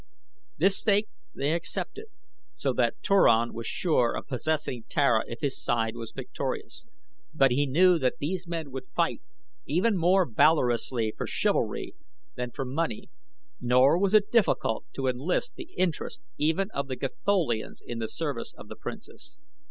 This stake they accepted, so that Turan was sure of possessing Tara if his side was victorious, but he knew that these men would fight even more valorously for chivalry than for money, nor was it difficult to enlist the interest even of the Gatholians in the service of the princess.